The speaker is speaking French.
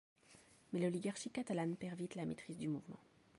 Mais l'oligarchie catalane perd vite la maîtrise du mouvement.